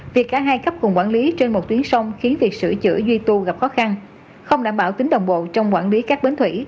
việc cả hai cấp cùng quản lý trên một tuyến sông khiến việc sửa chữa duy tu gặp khó khăn không đảm bảo tính đồng bộ trong quản lý các bến thủy